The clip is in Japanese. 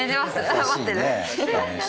待ってる？